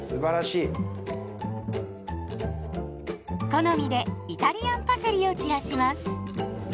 好みでイタリアンパセリを散らします。